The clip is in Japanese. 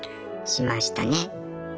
しましたね。